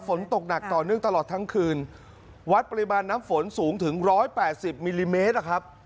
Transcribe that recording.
ฝนตกหนักต่อเนื่องตลอดทั้งคืนวัดปริมาณน้ำฝนสูงถึงร้อยแปดสิบมิลลิเมตรอะครับ